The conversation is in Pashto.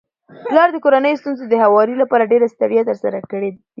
پلار د کورنيو د ستونزو د هواري لپاره ډيري ستړياوي تر سره کړي دي